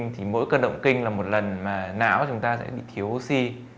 thì mỗi cơn động kinh là một lần mà não chúng ta sẽ bị thiếu oxy